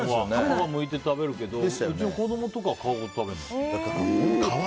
皮むいて食べるけどうちの子供とかは皮ごと食べるのよ。